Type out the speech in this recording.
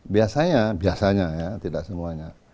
biasanya biasanya ya tidak semuanya